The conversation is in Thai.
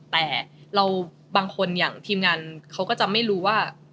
แต่เราบางคนอย่างทีมงานเขาก็จะไม่รู้ว่า